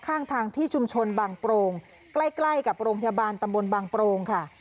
ข้างทางที่ชุมชนบางโปรงใกล้ใกล้กับโรงพยาบาลตำบลบางโปรงค่ะ